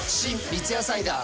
三ツ矢サイダー』